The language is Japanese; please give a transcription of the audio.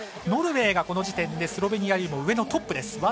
ノルウェーがこの時点でスロベニアより上のトップです。